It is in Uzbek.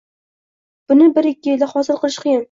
Buni bir-ikki yilda hosil qilish qiyin.